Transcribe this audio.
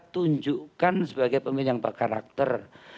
tunjukkan sebagai pemimpin yang berkarakter